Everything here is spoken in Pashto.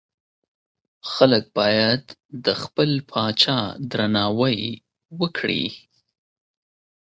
خلګ بايد د خپل پاچا درناوی وکړي.